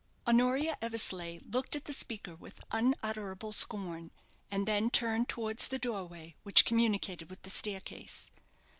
Honoria Eversleigh looked at the speaker with unutterable scorn, and then turned towards the doorway which communicated with the staircase.